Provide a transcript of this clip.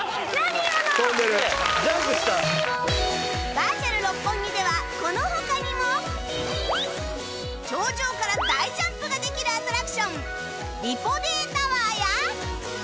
バーチャル六本木ではこの他にも頂上から大ジャンプができるアトラクションリポ Ｄ タワーや